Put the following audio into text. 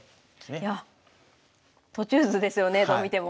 いや途中図ですよねどう見ても。